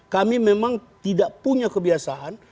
kami memang tidak punya kebiasaan